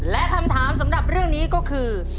และคำถามสำหรับเรื่องนี้ก็คือ